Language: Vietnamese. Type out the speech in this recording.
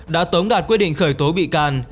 đã tống đạt quyết định khởi tố bị can